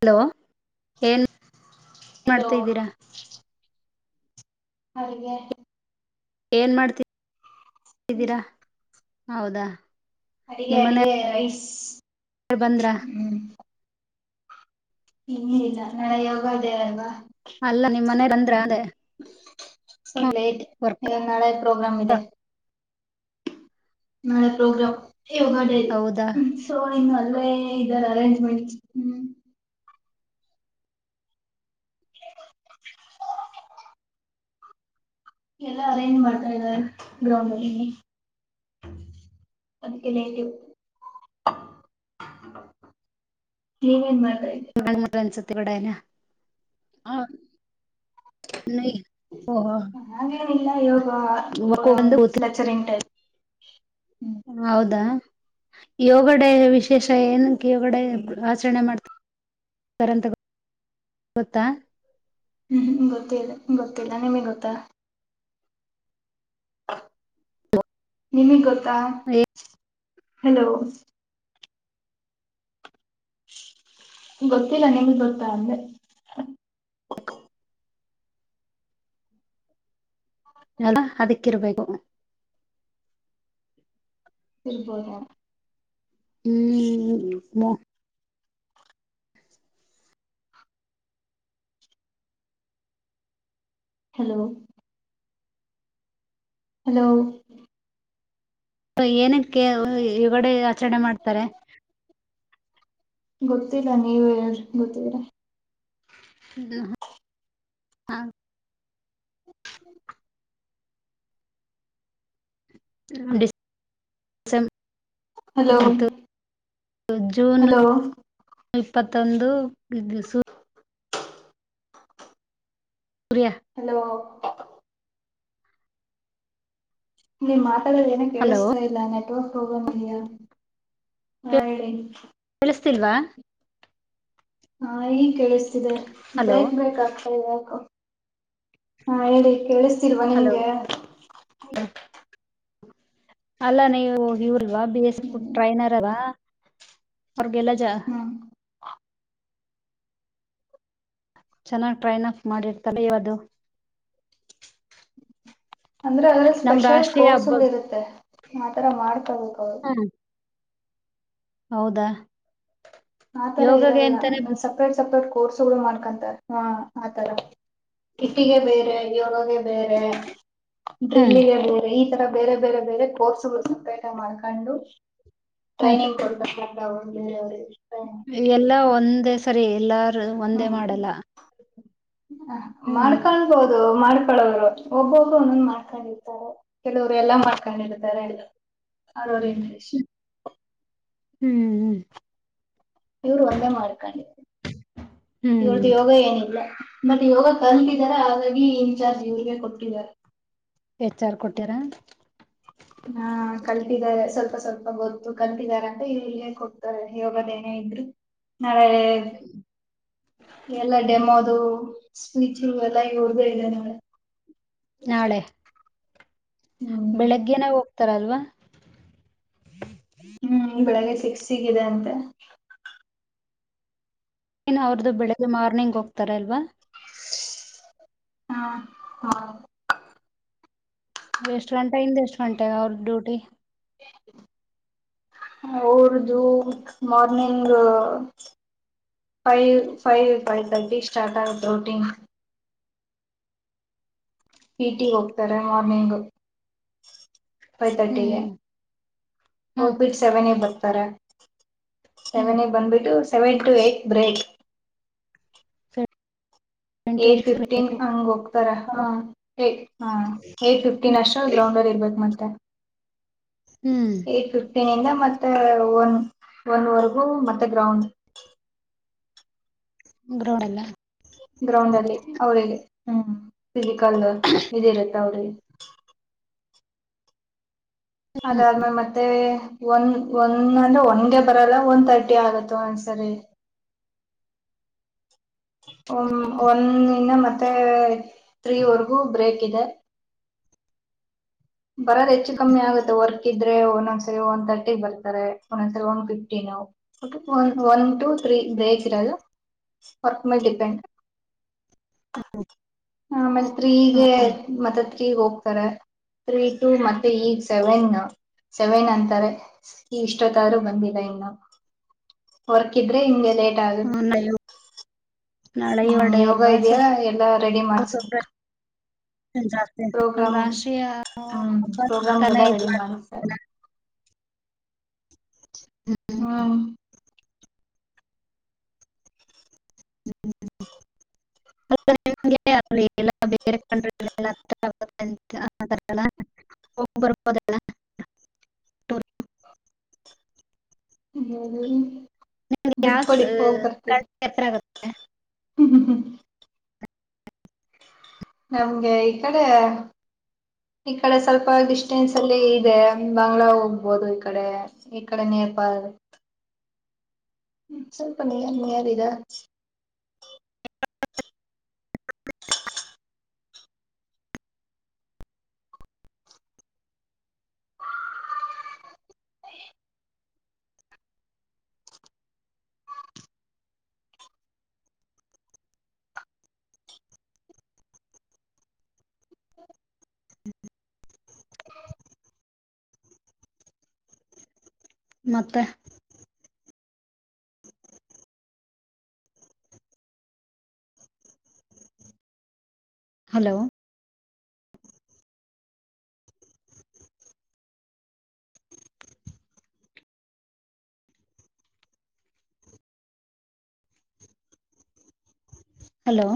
Hello ಏನ್ hello ಮಾಡ್ತಾ ಇದ್ದೀರಾ. ಹೌದೇ ಏನ್ ಮಾಡ್ತಿ ದ್ದೀರಾ ಹೌದಾ. ಅಡಿಗೆ ನಿಮ್ಮನೆ ಅಡಿಗೆ ರೈಸ್. ಬಂದ್ರ ಇನ್ನ ಇಲ್ಲ ನಾಳೆ ಯೋಗ ದಿನ ಅಲ್ವಾ ಅಲ್ಲ ನಿಮ್ಮ್ ಮನೆ ಬಂದ್ರಾ ಅದೇ ಲೇಟ್ ವರ್ಕ್ ಇಲ್ಲ ನಾಳೆ ಪ್ರೋಗ್ರಾಮ್ ಇದೆ ನಾಳೆ ಪ್ರೋಗ್ರಾಮ್ ಇದೆ ಹೌದಾ ಯೋಗ ಡೇ ಅರೇಂಜ್ಮೆಂಟ್ ಎಲ್ಲ ಅರೆಂಜ್ ಮಾಡ್ತಾ ಇದ್ದಾರೆ ಗ್ರೌಂಡಲ್ಲಿ ಅದಕ್ಕೆ ಲೇಟು ನೀವೇನ್ ಮಾಡ್ ಅನ್ಸುತ್ತೆ ಕಡೆನ ಹಾಗೇನಿಲ್ಲ ಯೋಗ ಓಹೋ ಬಂದು ಲೆಚರಿಂಗ್ ಟೈಪ್ ಹ್ಮ್ ಹೌದಾ ಯೋಗಡೆ ವಿಶೇಷ ಏನ ಯೋಗಡೆ ಹ್ಮ್ ಆಚರಣೆ ಮಾಡ್ತ ಗೊತ್ತಾ ಹ್ಮ್ ಗೊತ್ತಿಲ್ಲ ಗೊತ್ತಿಲ್ಲ ನಿಮಗೆ ಗೊತ್ತಾ ನಿಮಿಗ್ಗೊತ್ತ ಹಲೋ ಗೊತ್ತಿಲ್ಲ ನಿಮ್ಗೊತ್ತಾ ಅಂದೆ ಅಲ್ಲ ಅದಕ್ಕಿರ್ಬೇಕು ಇರಬೌದೆನ ಹ್ಮ್ ಹಲೋ ಹಲೋ ಏನಕ್ಕೆ ಅವ್ರು ಯೋಗಡೇ ಆಚರ್ಣೆ ಮಾಡ್ತಾರೆ ಗೊತ್ತಿಲ್ಲ ನೀವೆ ಹೇಳ್ರಿ ಗೊತ್ತಿದ್ರೆ ದು----ಹಾ [inaudible] ಡಿಸ್---ಸೇಂಬ್ ಹಲೋ ಮತ್ತು---ಜೂನ್ ಹಲೋ ಇಪ್ಪತ್ತೊಂದು ಗ್--ಗ್ ಸು ಸೂರ್ಯ ಹಲೋ ನೀ ಮಾತಡದೇನು ಹಲೋ ಕೇಳಿಸ್ತಾ ಇಲ್ಲ ಗೊ ಪ್ರೋಗ್ರಾಮ್ ಇದಿಯಾ ಹಾ ಹೇಳಿ ಕೇಳ್ಸ್ತೀಲ್ವ ಹಾ ಈಗ್ ಕೇಳಿಸ್ತಿದೆ ಹಲೋ ಬ್ರೇಕ್ ಬ್ರೇಕ್ ಆಗ್ತಾ ಇದೆ ಯಾಕೊ ಹಾ ಹೇಳಿ ಕೇಳ್ಸ್ತೀಲ್ವ ಹಲೋ ನಿಮ್ಗೆ ಅಲ್ಲ ನೀವು ಇವ್ರ್ ಬಿ ಎಸ್ ಉಡ್ ಹ್ಮ್ ಟ್ರೈನರ----ಲ್ವಾ ಅರ್ವಗೆಲ್ಲ ಜಾ ಹ್ಮ್ ಚೆನ್ನಾಗ್ ಟ್ರೈನಫ್ ಮಾಡಿರ್ತ----ಯವದು ಅಂದ್ರೆ ಅದ್ರ ಸ್ಪೆಷಲ್ ರಾಷ್ಟ್ರೀಯ ಹಬ್ಬ ಕೋರ್ಸ್ಗಳು ಇರತ್ತೆ ಆತರ ಮಾಡ್ಕೊಬೇಕ್ ಅವ್ರು ಹ್ಮ್ ಹೌದಾ ಆತರ ಯೋಗಗೆ ಇರಲ್ಲ ಅಂತಾನೆ ಸಪ್ರೇಟ್ ಸಪ್ರೇಟ್ ಕೋರ್ಸ್ಗಳು ಮಾಡ್ಕಂತಾರೆ ಹಾ ಆತರ ಹಿಟ್ಟಿಗೆ ಹ್ಮ್ ಬೇರೆ ಯೋಗಾಗ ಬೇರೆ ಡ್ರಿಲ್ಲಿಗೆ ಬೇರೆ ಈ ತರ ಬೇರೆ ಬೇರೆ ಬೇರೆ ಕೋರ್ಸ್ಗಳು ಸಪ್ರೇಟಗ್ ಮಾಡ್ಕಂಡು ಹ್ಮ್ ಟ್ರೈನಿಂಗ್ ಕೊಡ್ತ---ಅವ್ರ್ ಲ್ಲಿರ ಅವ್ರೆ ಎಲ್ಲಾ ಒಂದೇ ಸರಿ ಎಲ್ಲಾರು ಒಂದೇ ಮಾಡಲ್ಲ ಹ್ಮ್ ಮಾಡ್ಕಳ್ಬೋದು ಮಾಡ್ ಕಳವ್ರು ಒಬ್ಬೊಬ್ರು ಒಂದೊಂದ್ ಮಾಡ್ಕಂಡಿರ್ತಾರೆ ಕೆಲವ್ರು ಎಲ್ಲಾ ಮಾಡ್ಕಂಡಿರ್ತಾರೆ ಎಲ್ಲ ಅರೌರ್ ಇಂಟ್ರಷ್ಟು ಹ್ಮ್ ಹ್ಮ್ಮ್ ಹ್ಮ್ ಇವ್ರು ಒಂದೇ ಮಾಡ್ಕಂಡಿದು ಹ್ಮ್ ಇವ್ರ್ದ್ ಯೋಗ ಏನಿಲ್ಲ ಮತ್ತೆ ಯೋಗ ಕಲ್ತಿದಾರ ಹಾಗಾಗಿ ಇನ್ಚಾರ್ಜ್ ಇವ್ರಿಗೆ ಕೊಟ್ಟಿದ್ದಾರೆ ಹೆಚ್ ಆರ್ ಕೊಟ್ಯರ ಹಾ ಕಲ್ತಿದ್ದಾರೆ ಸ್ವಲ್ಪ್ ಲ್ಪ ಸ್ವಲ್ಪ ಗೊತ್ತು ಕಲ್ತಿದಾರ ಅಂತ ಇಲ್ಲಿ ಹೇಳ್ಕೊಡ್ತಾರೆ ಯೋಗದೇನೆ ಇದ್ರು ನಾಳೆ ಎಲ್ಲ ಡೆಮೊ ದು ಸ್ಪೀಚಿಂಗ್ ಎಲ್ಲ ಇವ್ರ್ದೆ ಇದೆ ನಾಳೆ ನಾಳೆ ಹ್ಮ್ ಬೆಳಗ್ಗೆನೇ ಹೋಗ್ತಾರಲ್ವಾ ಸಿಕ್ಸಿಗೆರೆ ಅಂತೆ ಏನ್ ಅವ್ರ್ದು ಬೆಳಿಗ್ಗೆ ಮಾರ್ನಿಂಗ್ ಹೋಗ್ತಾರೆ ಅಲ್ವಾ ಹಾ ಹ ಎಷ್ಟ್ಗಂಟೆ ಇಂದ ಎಷ್ಟ್ಗಂಟೆ ಅವ್ರ್ ಡ್ಯೂಟಿ ಔರ್ದು morning five five five thirty start ಆಗತ್ ರೋಟೀನ್ ಪಿ ಟಿ ಹೋಗ್ತಾರೆ ಮಾರ್ನಿಂಗ್ ಫೈವ್ ತರ್ಟಿಗೆ ಹ್ಮ್ ಹ್ಮ್ ಹೋಗ್ಬಿಟ್ ಸೆವೆನಿಗ್ ಬರ್ತಾರೆ ಹ್ಮ್ ಸೆವೆನಿಗೆ ಹ್ಮ್ ಬಂದ್ಬಿಟ್ಟು ಸೆವೆನ್ ಟು ಎಲಟ್ ಬ್ರೇಕ್ ಏ ಗಂಟೆ ಫಿಫ್ಟೀನ್ ಇಟ್ಬೇಕು ಹಂಗ ಹೋಗ್ತಾರ ಹ ಏ ಫಿಫ್ಟೀನ್ ಅಷ್ಟರಲ್ಲಿ ಗ್ರೌಂಡಲ್ಲಿ ಇರ್ಬೇಕ್ ಮತ್ತೆ ಹ್ಮ್ ಏ ಫಿಫ್ಟೀನ್ಇಂದ ಮತ್ತ ಒನ್ ಒಂದವರೆಗೂ ಮತ್ತೆ ಗ್ರೌಂಡ್ ಗ್ರೌಂಡ್ ಅಲ್ಲ ಗ್ರೌಂಡ್ ಅಲ್ಲಿ ಅವ್ರಿಗೆ ಹ್ಮ ಫಿಸಿಕಲ್ ಇದಿರುತ್ತೆ ಅವ್ರಿಗೆ [inaudible] ಅದಾದ್ಮೇಲೆ ಮತ್ತೆ ಒಂದ ಒಂದ ಅಂದ್ರೆ ಒಂದೇ ಬರಲ್ಲ ಒನ್ ತರ್ಟಿ ಆಗತ್ತು ಒಂದಸಲಿ ವಂದಿಂದ ಮತ್ತೆ ತ್ರೀವರೆಗೂ ಬ್ರೇಕ್ ಇದೆ ಬರೋದು ಹೆಚ್ಚು ಕಮ್ಮಿ ಆಗುತ್ತೆ ವರ್ ಇದ್ರೆ ಒಂದೊಂದ್ಸರಿ ಒನ್ ತರ್ಟಿಗ್ಗೆ ಬರ್ತಾರೆ ಒಂದೊಂದ್ಸರಿ ಒನ್ ಫಿಫ್ಟಿನ ಒನ್ ಟು ೀ ಬ್ರೇಕ್ ಇರೋದು ವರ್ಕ್ ಮೇಲ್ ಡಿಪೆಂಡ್ ಹ ಆ ಆಮೇಲೆ ತ್ರೀಗೆ ಮತ್ತೆ ತ್ರೀಗೆ ಹೋಗ್ತಾರೆ ತ್ರೀ ಟು ಮತ್ತೆ ಈಗ್ ಸೆವೆನ್ ಸೆವೆನ್ ಅಂತಾರೆ ಇಷ್ಟೊತ್ತಾದ್ರೂ ಬಂದಿಲ್ಲ ಇನ್ನು ಹೊರ್ಕಿದ್ರೆ ಹಿಂಗೆ ಲೇಟ್ ಆಗುತ್ತೆ ನಾಳೆ ನಾಳೆ ಏಳ್ ಹ್ಮ್ ಡೇ ಯೋಗ ಅಲ್ವಾ ಇದ್ಯ ಸ್ವಲ್ಪ ಎಲ್ಲಾ ರೆಡಿ ಮಾಡ್ಸ್ಬೇಕ ಪ್ರಿಪರೇಷನ್ ಜಾಸ್ತಿ ನಮ್ಮ ರಾಷ್ಟ್ರೀಯ ಹ್ಮ್ ಹಬ್ಬ ತನ ಪ್ರೋಗ್ರಾಮ್ಗೆಲ್ಲ ಇದ ರೆಡಿ [inaudible] ಮಾಡಿಸ್ತಾರೆ [inaudible] ಹ್ಮ ಹ [inaudible] [unintelligible] [inaudible] ಹ್ಮ ನಿಮಗೆ ಯಾವ ಸ ಕನಸು ಎಚ್ಚರ ಆಗುತ್ತೆ ಹ್ಮ್ ಹ್ಮ್ ನಮ್ಗೆ ಈ ಕಡೆ ಈ ಕಡೆ ಸ್ವಲ್ಪ ಡಿಸ್ಟೆನ್ಸ್ ಅಲ್ಲಿ ಇದೆ ಬಂಗ್ಳಾ ಹೋಗ್ಬೋದು ಈ ಕಡೆ ಈ ಕಡೆ [unintelligible] [inaudible] ಚಲ್ಪ ನೀ ನೀರರಾ [inaudible] [inaudible] ಮತ್ತೆ ಹಲೋ ಹಲೋ